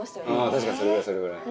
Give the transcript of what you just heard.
確かにそれぐらいそれぐらい。